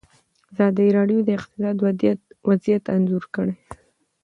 ازادي راډیو د اقتصاد وضعیت انځور کړی.